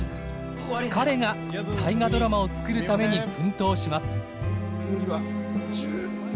彼が「大河ドラマ」を作るために奮闘します。